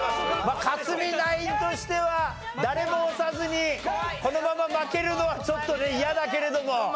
まあ克実ナインとしては誰も押さずにこのまま負けるのはちょっとね嫌だけれども。